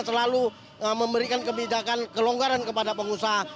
selalu memberikan kebijakan kelonggaran kepada pengusaha